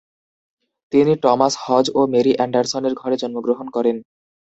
তিনি Thomas Hodge ও Mary অ্যান্ডারসনের ঘরে জন্মগ্রহণ করেন।